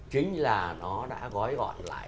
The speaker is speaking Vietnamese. chính là nó đã gói gọn lại